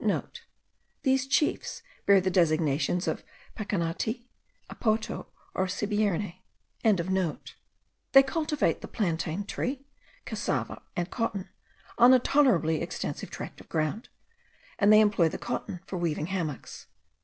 *(* These chiefs bear the designations of Pecannati, Apoto, or Sibierne.) They cultivate the plantain tree, cassava, and cotton, on a tolerably extensive tract of ground, and they employ the cotton for weaving hammocks.